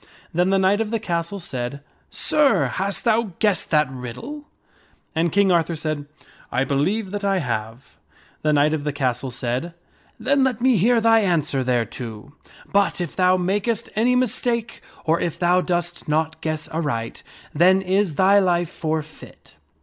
Then the knight of the castle said, " Sir, hast thou guessed that riddle ?" And King Arthur said, " I believe that I have." The knight of the castle said, "Then let me hear thy answer thereto. But if thou makest any mistake, or if thou dost not guess aright, then is thy life forfeit."